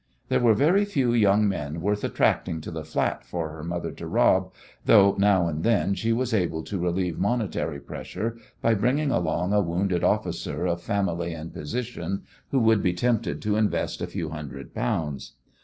There were very few young men worth attracting to the flat for her mother to rob, though now and then she was able to relieve monetary pressure by bringing along a wounded officer of family and position who could be tempted to invest a few hundred pounds.